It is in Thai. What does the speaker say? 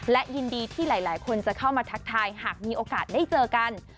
และยินดีที่หลายคนจะเข้ามาทักทายหากมีโอกาสได้เจอกัน